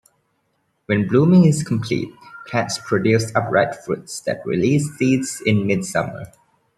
When blooming is complete, plants produce upright fruits that release seeds in mid-summer.